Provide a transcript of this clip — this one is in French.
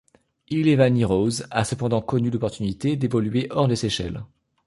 Yelvanny Rose a cependant connu l'opportunité d'évoluer hors des Seychelles.